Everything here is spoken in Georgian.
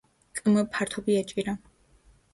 კმ ფართობი ეჭირა.